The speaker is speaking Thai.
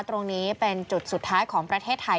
ตรงนี้เป็นจุดสุดท้ายของประเทศไทย